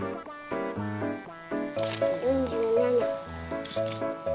４７。